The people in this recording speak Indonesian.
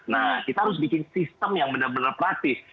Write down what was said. nah kita harus bikin sistem yang benar benar praktis